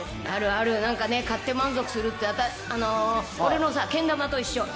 あるある、なんかね、買って満足するって、俺のさ、けん玉と一緒。